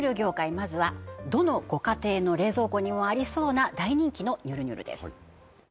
まずはどのご家庭の冷蔵庫にもありそうな大人気のにゅるにゅるです